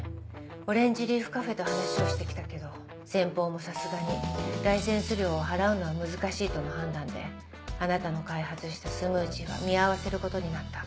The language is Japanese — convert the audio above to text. オレンジリーフカフェと話をしてきたけど先方もさすがにライセンス料を払うのは難しいとの判断であなたの開発したスムージーは見合わせることになった。